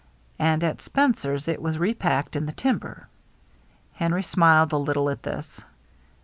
"And at Spencer's it was repacked in the timber." Henry smiled a little at this.